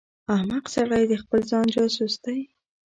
احمق سړی د خپل ځان جاسوس دی.